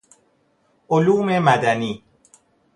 علوم مدنی